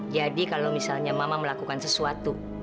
jadi kalau misalnya mama melakukan sesuatu